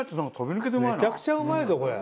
めちゃくちゃうまいぞこれ。